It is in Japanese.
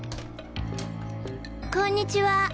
こんにちは。